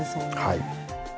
はい。